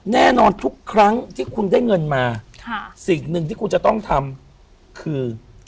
แน่นอนทุกครั้งที่คุณได้เงินมาสิ่งหนึ่งที่คุณจะต้องทำคือ